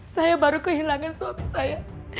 saya baru kehilangan suami saya